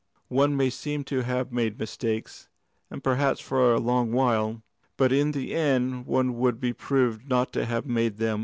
One may seem to have made mistakes, and perhaps for a long while. But in the end one would be proved not to have made them."